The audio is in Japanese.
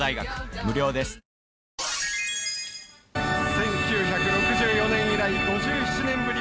１９６４年以来５７年ぶり。